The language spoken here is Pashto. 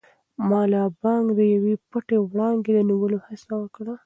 ملا بانګ د یوې پټې وړانګې د نیولو هڅه وکړه.